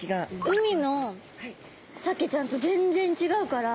海のサケちゃんと全然ちがうから。